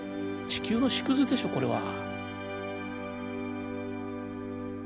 地球の縮図でしょこれは。